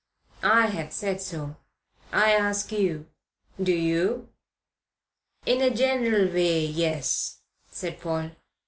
"I have said so. I ask you. Do you?" "In a general way, yes," said Paul.